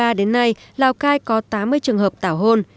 từ đầu năm hai nghìn hai mươi ba đến nay lào cai có tám mươi trường hợp tảo hôn